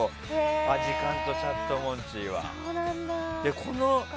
アジカンとチャットモンチーは。